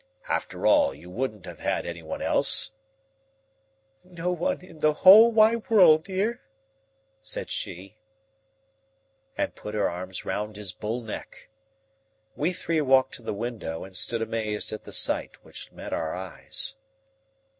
After all, you wouldn't have had anyone else?" "No one in the whole wide world, dear," said she, and put her arms round his bull neck. We three walked to the window and stood amazed at the sight which met our eyes.